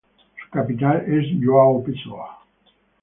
Su capital es João Pessoa.